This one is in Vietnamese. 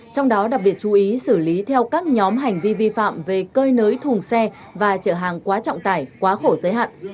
trong đó đặc biệt chú ý xử lý theo các nhóm hành vi vi phạm về cơi nới thùng xe và chở hàng quá trọng tải quá khổ giới hạn